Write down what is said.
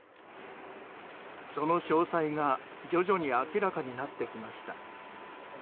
その詳細が徐々に明らかになってきました。